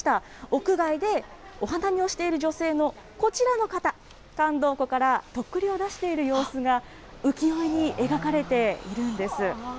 屋外でお花見をしている女性の、こちらの方、燗銅壺からとっくりを出している様子が、浮世絵に描かれているんです。